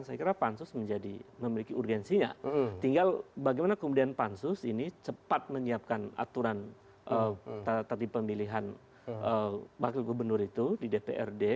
jadi kalau kemudian pansus menjadi memiliki urgensinya tinggal bagaimana kemudian pansus ini cepat menyiapkan aturan tadi pemilihan bakal gubernur itu di dprd